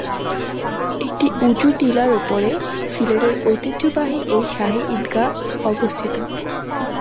একটি উচু টিলার উপর সিলেটের ঐতিহ্যবাহী এই শাহী ঈদগাহ অবস্থিত।